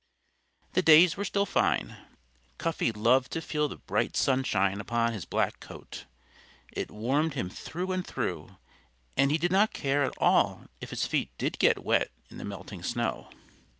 The days were still fine. Cuffy loved to feel the bright sunshine upon his black coat. It warmed him through and through and he did not care at all if his feet did get wet in the melting snow.